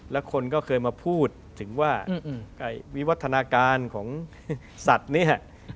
แล้วคนก็เคยมาพูดถึงว่าวิวัฒนาการของสัตว์เนี่ย